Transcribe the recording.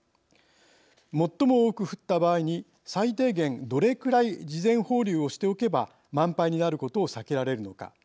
最も多く降った場合に最低限どれくらい事前放流をしておけば満杯になることを避けられるのか。